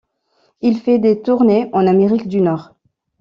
Il fait des tournées en Amérique du Nord.